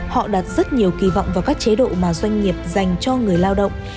họ đặt rất nhiều kỳ vọng vào các chế độ mà doanh nghiệp dành cho người lao động